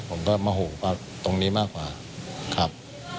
ผมก็โมโหตรงนี้มากกว่าครับ